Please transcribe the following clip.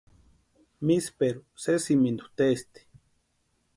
Misperu sesimintu testi.